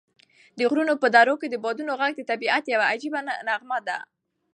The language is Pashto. د غرونو په درو کې د بادونو غږ د طبعیت یوه عجیبه نغمه ده.